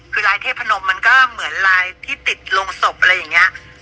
คือลายเทพนมมันก็เหมือนลายที่ติดโรงศพอะไรอย่างนี้